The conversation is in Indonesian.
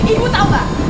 ibu tahu nggak